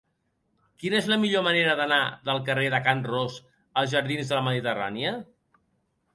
Quina és la millor manera d'anar del carrer de Can Ros als jardins de la Mediterrània?